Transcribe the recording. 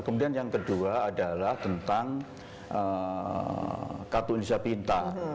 kemudian yang kedua adalah tentang kartu indonesia pintar